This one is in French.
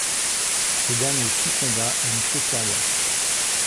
Ce dernier succomba à une crise cardiaque.